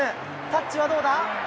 タッチはどうだ？